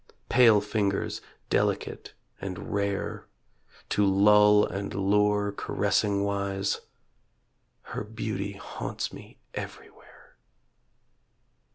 Pale fingers delicate and rare, To lull and lure caressing wise; Her beauty haunts me everywhere.